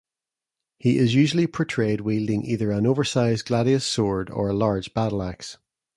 He is usually portrayed wielding either an oversized Gladius sword or a large battle-axe.